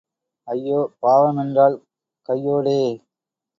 ஐயோ பாவ மென்றால் கையோடே.